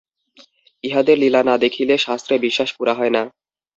ইঁহাদের লীলা না দেখিলে শাস্ত্রে বিশ্বাস পুরা হয় না।